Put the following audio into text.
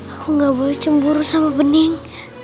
aku nggak boleh cemburu sama bening